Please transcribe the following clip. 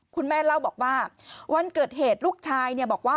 คุณแม่เล่าบอกว่าวันเกิดเหตุลูกชายบอกว่า